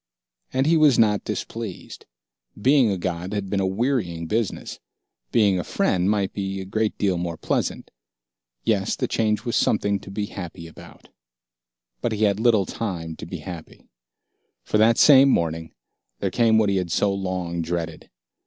And he was not displeased. Being a god had been a wearying business. Being a friend might be a great deal more pleasant. Yes, the change was something to be happy about. But he had little time to be happy. For that same morning, there came what he had so long dreaded.